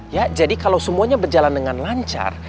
ya jadi kalau semuanya berjalan dengan lancar